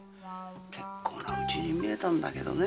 結構な家に見えたんだけどね。